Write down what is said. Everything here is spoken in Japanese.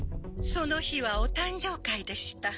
その日はお誕生会でした。